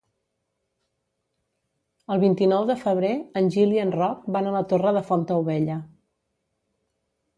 El vint-i-nou de febrer en Gil i en Roc van a la Torre de Fontaubella.